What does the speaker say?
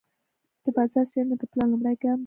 د بازار څېړنه د پلان لومړی ګام دی.